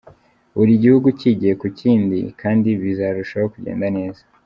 Buri gihugu kigiye ku kindi kandi bizarushaho kugenda neza.